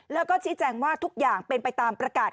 แล้วก็ชี้แจงว่าทุกอย่างเป็นไปตามประกาศ